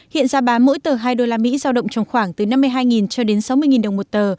hiện ra bán mỗi tờ hai usd giao động trong khoảng từ năm mươi hai cho đến sáu mươi đồng một tờ